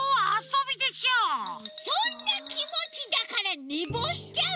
そんなきもちだからねぼうしちゃうの！